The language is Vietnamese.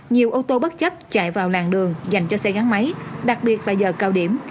nhiều ô tô bất chấp chạy vào làng đường dành cho xe gắn máy đặc biệt là giờ cao điểm